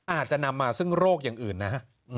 อาจจะนำมาซึ่งโรคอย่างอื่นนะฮะ